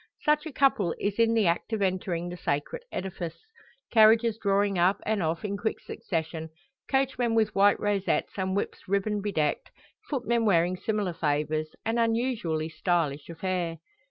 Such a couple is in the act of entering the sacred edifice; carriages drawing up and off in quick succession, coachmen with white rosettes and whips ribbon bedecked, footmen wearing similar favours an unusually stylish affair.